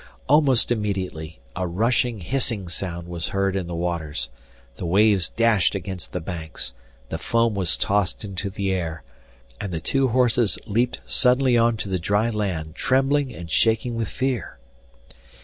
Almost immediately a rushing hissing sound was heard in the waters, the waves dashed against the banks, the foam was tossed into the air, and the two horses leapt suddenly on to the dry land, trembling and shaking with fear.